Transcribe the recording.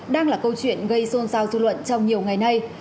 đang là câu chuyện gây xôn xao dư luận trong nhiều ngày nay